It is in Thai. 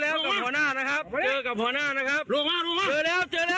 ลงไปมา